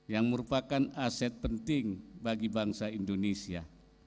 yang merupakan aset penting bagi bangsa indonesia